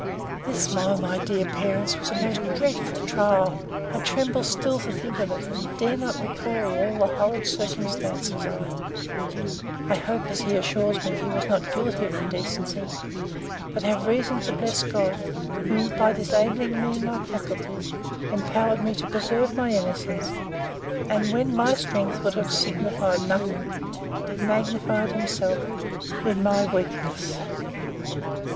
This, O my dear parents! was a most dreadful trial. I tremble still to think of it; and dare not recall all the horrid circumstances of it. I hope, as he assures me, he was not guilty of indecency; but have reason to bless God, who, by disabling me in my faculties, empowered me to preserve my innocence; and, when all my strength would have signified nothing, magnified himself in my weakness.